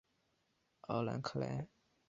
奥兰克莱。